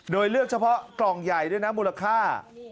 โดยเลือกเฉพาะกล่องใหญ่ด้วยนะมูลค่า